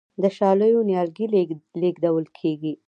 د شالیو نیالګي لیږدول کیږي.